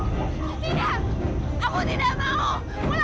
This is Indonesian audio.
tidak aku tidak mau